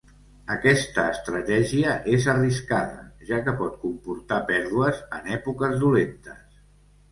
Aquesta estratègia és arriscada ja que pot comportar pèrdues en èpoques dolentes.